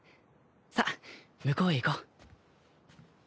気向こうへ行こう。